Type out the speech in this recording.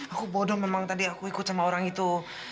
aku bodoh memang tadi aku ikut sama orang itu